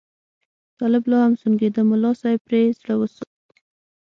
طالب لا هم سونګېده، ملا صاحب پرې زړه وسو.